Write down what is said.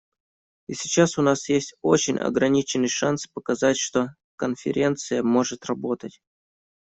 И сейчас у нас есть очень ограниченный шанс показать, что Конференция может работать.